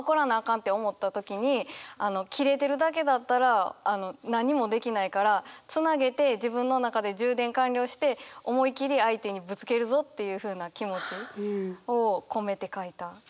かんって思った時にキレてるだけだったら何もできないからつなげて自分の中で充電完了して思い切り相手にぶつけるぞっていうふうな気持ちを込めて書いた。